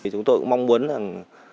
chúng tôi cũng mong muốn